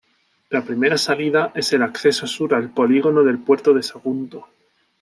La primera salida es el acceso sur al polígono del Puerto de Sagunto.